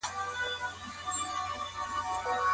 د ټولنیزو علومو جلاوالی تر نورو علومو ډېر ګران دی.